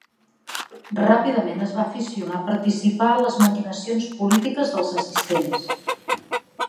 Ràpidament es va aficionar a participar a les maquinacions polítiques dels assistents.